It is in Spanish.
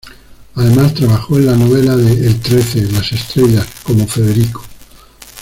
Además, trabajó en la novela de "El Trece", "Las Estrellas" como "Federico".